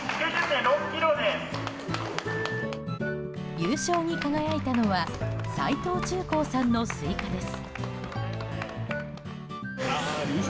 優勝に輝いたのは齊藤忠光さんのスイカです。